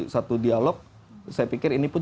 satu dialog saya pikir ini pun